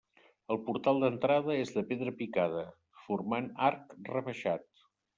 El portal d'entrada és de pedra picada, formant arc rebaixat.